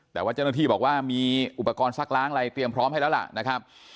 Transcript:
แต่ว่าเจ้าหน้าที่บอกว่ามีอุปกรณ์ซักล้างอะไรเตรียมพร้อมให้แล้วล่ะนะครับ